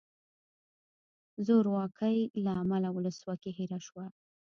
زورواکۍ له امله ولسواکي هیره شوه.